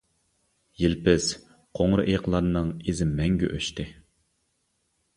يىلپىز، قوڭۇر ئېيىقلارنىڭ ئىزى مەڭگۈ ئۆچتى.